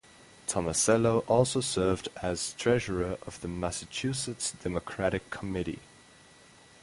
Tomasello also served as treasurer of the Massachusetts Democratic Committee.